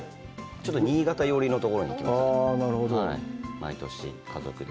ちょっと新潟寄りのところに行きますね、毎年家族で。